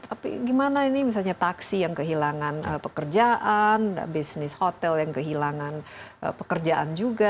tapi gimana ini misalnya taksi yang kehilangan pekerjaan bisnis hotel yang kehilangan pekerjaan juga